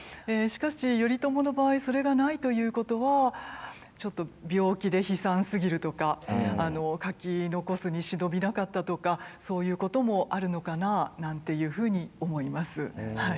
しかし頼朝の場合それがないということはちょっと病気で悲惨すぎるとか書き残すに忍びなかったとかそういうこともあるのかななんていうふうに思います。